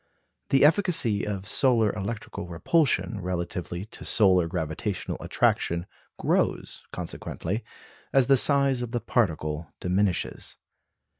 The efficacy of solar electrical repulsion relatively to solar gravitational attraction grows, consequently, as the size of the particle diminishes.